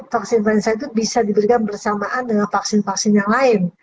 vaksin influenza itu bisa diberikan bersamaan dengan vaksin vaksin yang lain